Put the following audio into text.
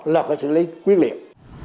lọc ra xử lý quyết liệu